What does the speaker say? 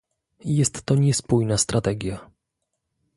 Jest to niespójna strategia